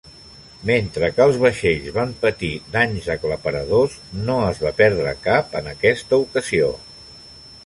Mentre que els vaixells van patir danys aclaparadors, no es va perdre cap en aquesta ocasió.